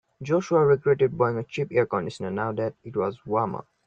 Joshua regretted buying a cheap air conditioner now that it was warmer.